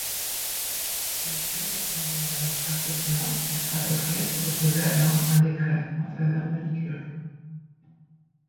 Lycurgue convenait alors parfaitement et Stratoclès proposa alors un décret en faveur de Lycurgue.